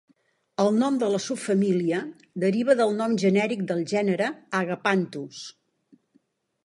El nom de la subfamília deriva del nom genèric del gènere "agapanthus".